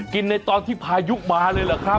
ในตอนที่พายุมาเลยเหรอครับ